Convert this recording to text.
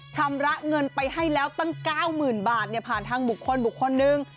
ชำระเงินไปให้แล้วตั้ง๙๐๐๐บาทผ่านทางบุคคลบุคคลนึง